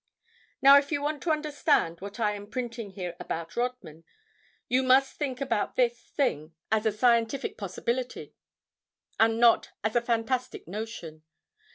Now, if you want to understand what I am printing here about Rodman, you must think about this thing as a scientific possibility and not as a fantastic notion.